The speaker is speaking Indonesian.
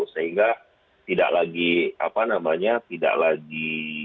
sehingga tidak lagi apa namanya tidak lagi